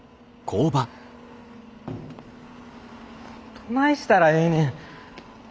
どないしたらええねん。